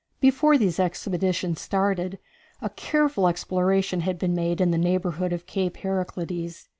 Before these expeditions started, a careful exploration had been made in the neighborhood of Cape Heraclides.